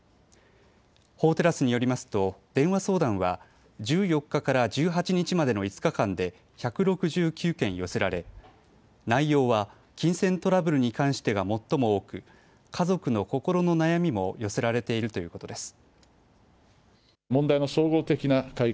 法テラスによりますと電話相談は１４日から１８日までの５日間で１６９件寄せられ内容は金銭トラブルに関してが最も多く、家族の心の悩みも寄せられているということです。